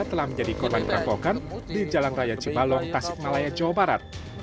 telah menjadi korban perampokan di jalan raya cibalong tasik malaya jawa barat